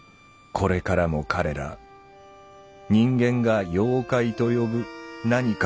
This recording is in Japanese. これからも「彼ら」人間が「妖怪」と呼ぶ「何か」